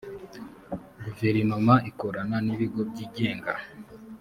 guverinoma ikorana n’ibigo byigenga